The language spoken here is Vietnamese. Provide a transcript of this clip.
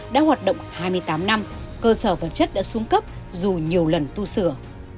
đã hoạt động hai mươi tám năm cơ sở vật chất đã xuống cấp dù nhiều lần tu sửa